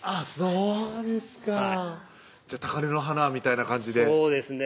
そうですかじゃあ高根の花みたいな感じでそうですね